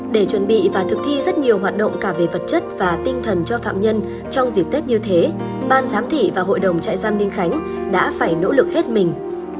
để chuẩn bị và thực thi rất nhiều hoạt động cả về vật chất và tinh thần cho phạm nhân trong dịp tết như thế ban giám thị và hội đồng trại giam ninh khánh đã phải nỗ lực hết mình